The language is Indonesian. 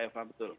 iya mbak eva betul